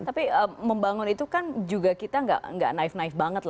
tapi membangun itu kan juga kita nggak naif naif banget lah